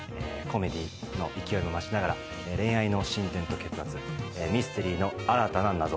コメディーの勢いも増しながら恋愛の進展と結末ミステリーの新たな謎。